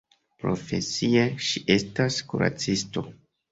Profesie ŝi estas kuracisto.